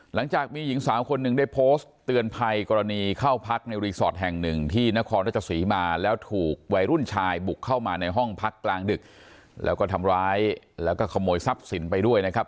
หลังจากมีหญิงสาวคนหนึ่งได้โพสต์เตือนภัยกรณีเข้าพักในรีสอร์ทแห่งหนึ่งที่นครราชสีมาแล้วถูกวัยรุ่นชายบุกเข้ามาในห้องพักกลางดึกแล้วก็ทำร้ายแล้วก็ขโมยทรัพย์สินไปด้วยนะครับ